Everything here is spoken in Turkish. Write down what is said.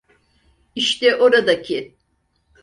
İşte oradaki.